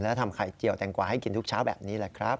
แล้วทำไข่เจียวแตงกวาให้กินทุกเช้าแบบนี้แหละครับ